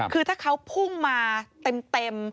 คือถ้าเขาพุ่งมาเต็ม